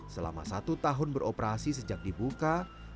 selama satu tahun beroperasi sejak dibuka